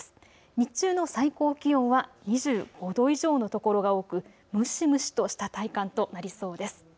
日中の最高気温は２５度以上の所が多く蒸し蒸しとした体感となりそうです。